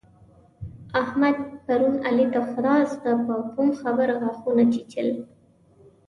احمد پرون علي ته خداسته پر کومه خبره غاښونه چيچل.